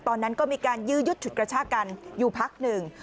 ตอนนั้นก็มีการยื้อยุดฉุดกระชากันอยู่พักหนึ่ง